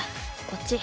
こっち。